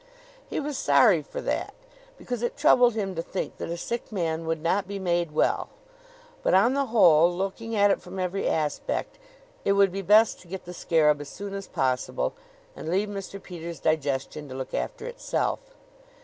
He was sorry for that, because it troubled him to think that a sick man would not be made well; but, on the whole, looking at it from every aspect, it would be best to get the scarab as soon as possible and leave Mr. Peters' digestion to look after itself.